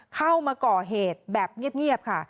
เข้ามาก่อเหตุแบบเงียบค่ะ